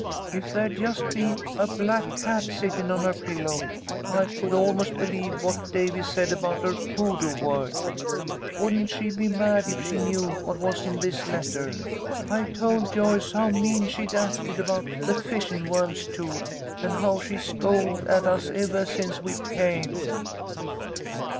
If there'd just be a black cat sittin' on her pillow, I could almost believe what Davy said about her hoodoo word. Wouldn't she be mad if she knew what was in this letter? I told Joyce how mean she'd acted about the fishin' worms too, and how she's scowled at us evah since we came."